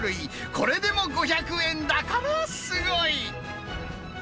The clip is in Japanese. これでも５００円だからすごい。